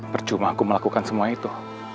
percuma aku melakukan semua itu